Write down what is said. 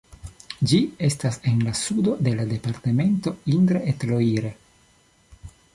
Ĝi estas en la sudo de la departemento Indre-et-Loire.